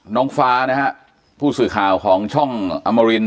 น้องฟ้านะฮะผู้สื่อข่าวของช่องอมริน